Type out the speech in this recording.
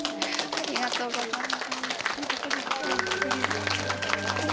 ありがとうございます。